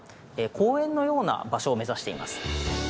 公園のような場所を目指しています。